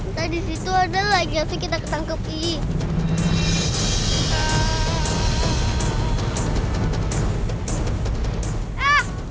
ntar disitu ada lagi yang kita ketangkepin